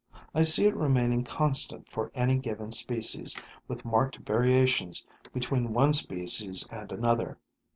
I see it remaining constant for any given species, with marked variations between one species and another.